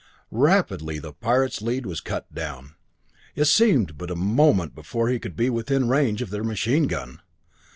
Rapidly the pirate's lead was cut down. It seemed but a moment before he would be within range of their machine gun.